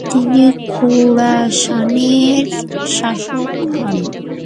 তিনি খোরাসানের শাসক হন।